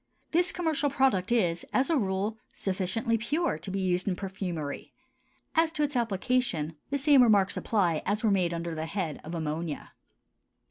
This commercial product is, as a rule, sufficiently pure to be used in perfumery; as to its application the same remarks apply as were made under the head of ammonia.